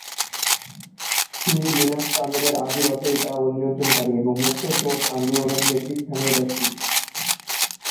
তিনি লিনাক্স কার্নেলের আদি রচয়িতা ও নিয়ন্ত্রণকারী এবং মুক্ত সোর্স আন্দোলনের নেতৃস্থানীয় ব্যক্তি।